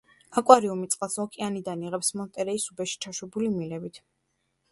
აკვარიუმი წყალს ოკეანიდან იღებს მონტერეის უბეში ჩაშვებული მილებით.